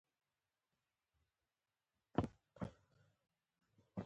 خدای مې دې غاړه نه بندوي.